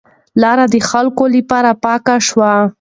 لار د خلکو لپاره پاکه شوه.